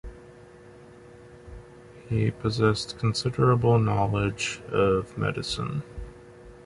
He possessed considerable knowledge of medicine.